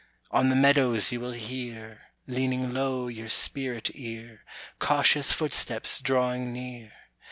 "On the meadows you will hear, Leaning low your spirit ear, Cautious footsteps drawing near.